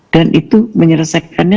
dan itu menyelesaikannya